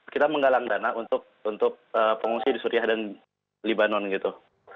kita menggalang dana untuk pengungsi di suriah dan libanon gitu